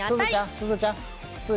すずちゃんねえ。